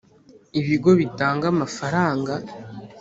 Ibigo bitanga amafaranga